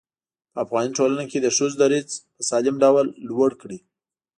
په افغاني ټولنه کې د ښځو دريځ په سالم ډول لوړ کړي.